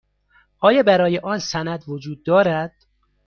آیا برای آن سند وجود دارد؟